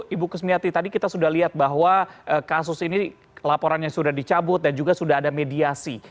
ibu kusmiati tadi kita sudah lihat bahwa kasus ini laporannya sudah dicabut dan juga sudah ada mediasi